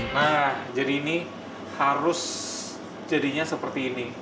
nah jadi ini harus jadinya seperti ini